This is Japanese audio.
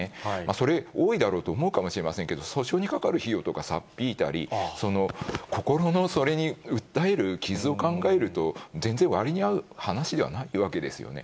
それ、多いだろうと思うかもしれませんけど、補償にかかる費用とか差っ引いたり、心のそれに訴える傷を考えると、全然割に合う話ではないわけですね。